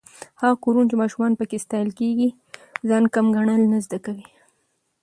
هغه کورونه چې ماشومان پکې ستايل کېږي، ځان کم ګڼل نه زده کوي.